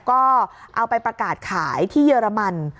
ก็เอาไปประกาศขายที่เยอรมัน